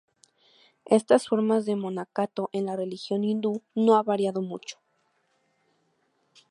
Estas formas de monacato en la religión hindú no ha variado mucho.